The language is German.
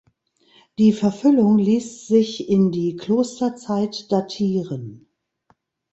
Die Verfüllung ließ sich in die Klosterzeit datieren.